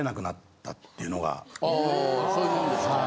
ああそういうもんですか。